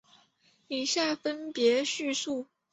以下分别叙述。